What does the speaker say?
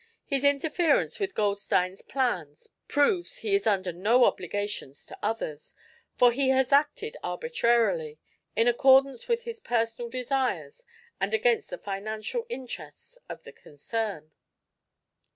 "His interference with Goldstein's plans proves he is under no obligations to others, for he has acted arbitrarily, in accordance with his personal desires and against the financial interests of the concern."